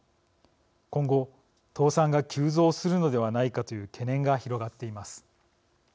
今後倒産が急増するのではないかという懸念が広がっています。